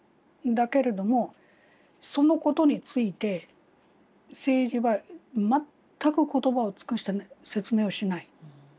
だけれどもそのことについて政治は全く言葉を尽くして説明をしない。